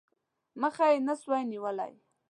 مخه یې نه سوای نیولای.